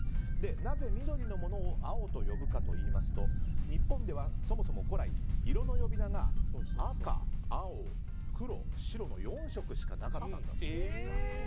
なぜ緑のものを青と呼ぶかといいますと日本では、そもそも古来色の呼び名が赤、青、黒、白の４色しかなかったんだそうです。